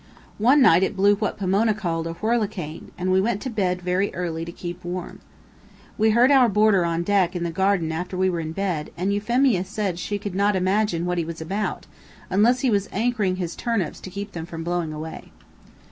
One night it blew what Pomona called a "whirlicane," and we went to bed very early to keep warm. We heard our boarder on deck in the garden after we were in bed, and Euphemia said she could not imagine what he was about, unless he was anchoring his turnips to keep them from blowing away.